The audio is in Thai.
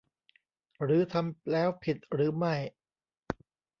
หรือทำแล้วผิดหรือไม่